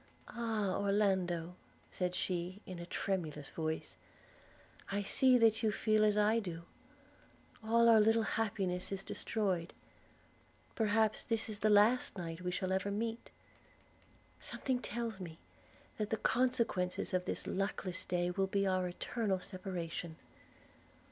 'Ah! Orlando,' said she, in a tremulous voice, 'I see that you feel as I do. All our little happiness is destroyed; perhaps this is the last night we shall ever meet: something tells me, that the consequences of this luckless day will be our eternal separation.'